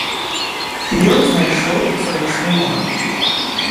Ён знайшоў зручны момант.